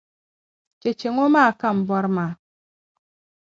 Cheche ŋɔ maa ka n-bɔri maa.